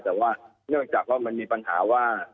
แต่ว่าเนื่องจากว่ามันมีปัญหาว่า